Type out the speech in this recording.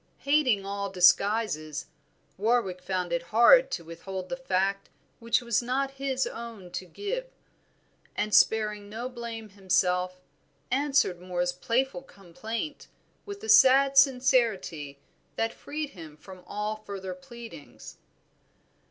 Hating all disguises, Warwick found it hard to withhold the fact which was not his own to give, and sparing no blame to himself, answered Moor's playful complaint with a sad sincerity that freed him from all further pleadings.